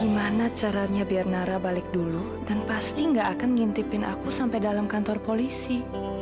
gimana caranya biar nara balik dulu dan pasti gak akan ngintipin aku sampai dalam kantor polisi